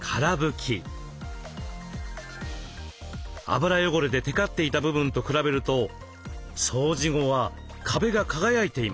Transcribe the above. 油汚れでてかっていた部分と比べると掃除後は壁が輝いています。